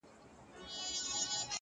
په دامونو ښکار کوي د هوښیارانو؛